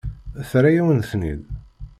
Terra-yawen-ten-id?